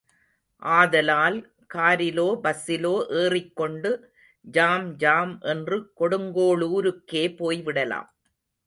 ஆதலால் காரிலோ பஸ்ஸிலோ ஏறிக் கொண்டு jam jam என்று கொடுங்கோளூருக்கே போய் விடலாம்.